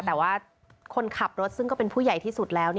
แต่ว่าคนขับรถซึ่งก็เป็นผู้ใหญ่ที่สุดแล้ว